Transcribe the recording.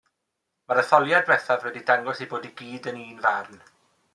Mae'r etholiad diwethaf wedi dangos eu bod i gyd yn unfarn.